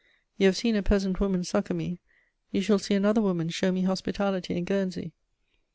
You have seen a peasant woman succour me; you shall see another woman show me hospitality in Guernsey.